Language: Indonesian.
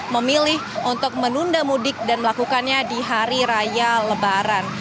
memilih untuk menunda mudik dan melakukannya di hari raya lebaran